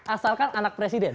asalkan anak presiden